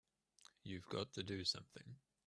You've got to do something!